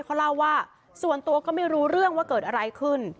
เขาเล่าว่าส่วนตัวก็ไม่รู้เรื่องว่าเกิดอะไรขึ้น